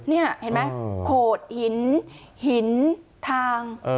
นี่เห็นไหมโขดหินหินทาง